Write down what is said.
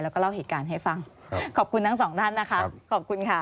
แล้วก็เล่าเหตุการณ์ให้ฟังขอบคุณทั้งสองท่านนะคะขอบคุณค่ะ